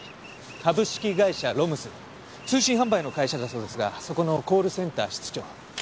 株式会社ロムス通信販売の会社だそうですがそこのコールセンター室長。